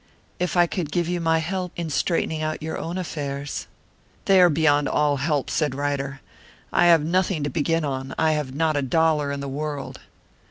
"If I could give you my help in straightening out your own affairs " "They are beyond all help," said Ryder. "I have nothing to begin on I have not a dollar in the world."